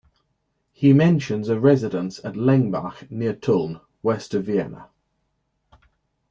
He mentions a residence at Lengbach near Tulln, west of Vienna.